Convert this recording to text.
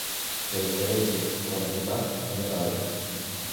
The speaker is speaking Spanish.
La diferencia con las demás es notable.